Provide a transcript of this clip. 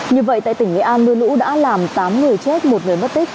như vậy tại tỉnh nghệ an mưa lũ đã làm tám người chết một người mất tích